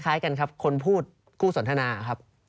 ก็คล้ายกันครับคนพูดคู่สนทนาครับ